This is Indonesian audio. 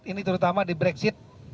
ini terutama di brexit